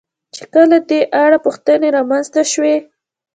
چې کله په دې اړه پوښتنې را منځته شوې.